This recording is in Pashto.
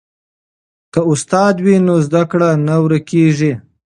که استاد وي نو زده کړه نه ورکیږي.